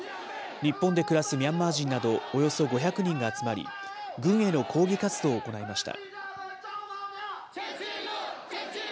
日本で暮らすミャンマー人などおよそ５００人が集まり、軍への抗議活動を行いました。